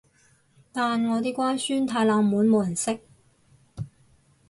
但我啲乖孫太冷門冇人識